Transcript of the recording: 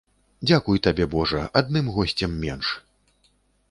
Дзякуй табе божа, адным госцем менш.